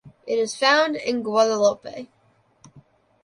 It is found in Guadeloupe.